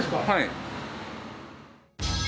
はい。